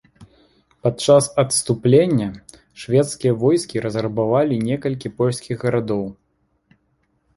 Падчас адступлення шведскія войскі разрабавалі некалькі польскіх гарадоў.